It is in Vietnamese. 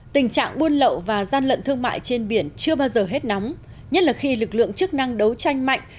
tình trạng buôn lậu và gian lận thương mại trên biển chưa bao giờ hết nóng nhất là khi lực lượng chức năng đấu tranh mạnh